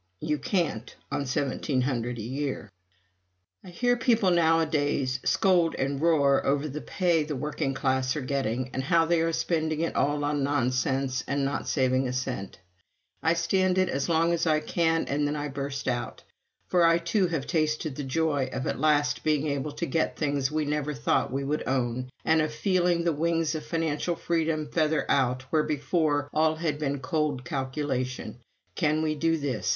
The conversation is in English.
You can't, on $1700 a year. I hear people nowadays scold and roar over the pay the working classes are getting, and how they are spending it all on nonsense and not saving a cent. I stand it as long as I can and then I burst out. For I, too, have tasted the joy of at last being able to get things we never thought we would own and of feeling the wings of financial freedom feather out where, before, all had been cold calculation: Can we do this?